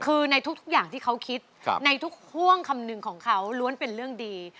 คือในทุกอย่างที่เขาคิดในทุกห่วงคำนึงของเขาล้วนเป็นเรื่องดี